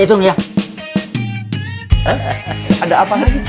wah tidak apa apa wah